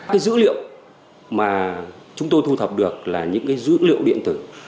cái dữ liệu mà chúng tôi thu thập được là những cái dữ liệu điện tử